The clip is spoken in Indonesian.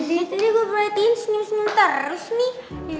jadi gue proyekin senyum senyum terus nih